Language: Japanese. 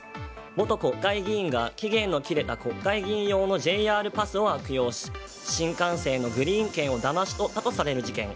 元国会議員が期限の切れた国会議員用のＪＲパスを悪用し新幹線のグリーン券をだまし取ったとされる事件。